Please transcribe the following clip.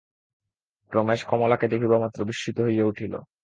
রমেশ কমলাকে দেখিবামাত্র বিস্মিত হইয়া উঠিল।